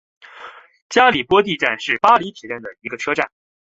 加里波第站是巴黎地铁的一个车站。